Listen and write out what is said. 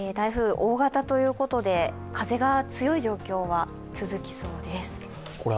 大型ということで風が強い状況は続きそうです。